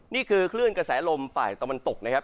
นี่คือคลื่นกระแสลมฝ่ายตะวันตกนะครับ